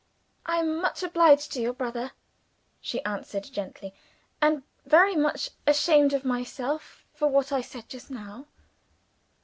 "I am much obliged to your brother," she answered gently, "and very much ashamed of myself for what I said just now."